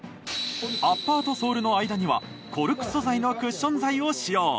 アッパーとソールの間にはコルク素材のクッション材を使用。